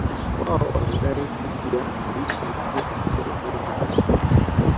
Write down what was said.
Wao wanadai haki ya kulisha mifugo katika hifadhi za Taifa